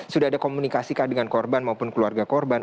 sudah ada komunikasi kan dengan korban maupun keluarga korban